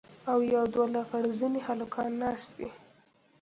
او يو دوه لغړ زني هلکان ناست دي.